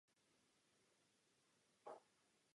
Byli tedy nuceni zůstat v blízkosti řeky.